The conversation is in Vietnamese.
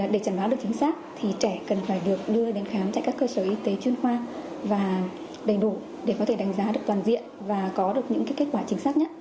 để chẩn đoán được chính xác thì trẻ cần phải được đưa đến khám tại các cơ sở y tế chuyên khoa và đầy đủ để có thể đánh giá được toàn diện và có được những kết quả chính xác nhất